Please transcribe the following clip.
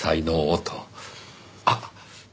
あっ！